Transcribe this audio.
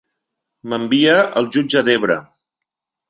M'envia el jutge Debra.